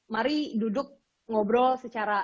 mari duduk ngobrol secara